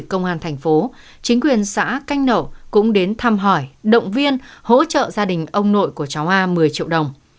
công an thành phố chính quyền xã canh nở cũng đến thăm hỏi động viên hỗ trợ gia đình ông nội của cháu a một mươi triệu đồng